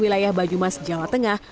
wilayah bajumas jawa tengah